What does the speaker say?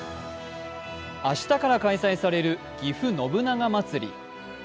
明日から開催されるぎふ信長まつり。